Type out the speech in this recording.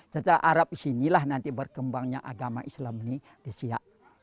setelah arab disinilah nanti berkembangnya agama islam di syiak